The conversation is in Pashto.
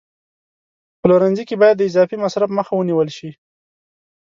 په پلورنځي کې باید د اضافي مصرف مخه ونیول شي.